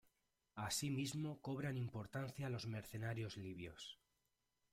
Así mismo cobran importancia los mercenarios libios.